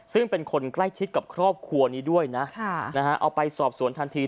ซึ่งเป็นคนใกล้ชิดกับครอบครัวนี้ด้วยนะเอาไปสอบสวนทันที